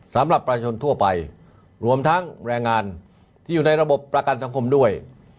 สำหรับประชาชนทั่วไปรวมทั้งแรงงานที่อยู่ในระบบประกันสังคมด้วย